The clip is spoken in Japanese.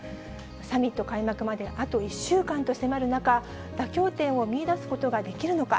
サミット開幕まであと１週間と迫る中、妥協点を見いだすことができるのか。